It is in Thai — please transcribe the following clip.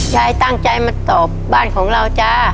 ยายตั้งใจมาตอบบ้านของเราจ้า